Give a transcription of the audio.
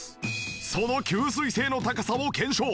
その吸水性の高さを検証。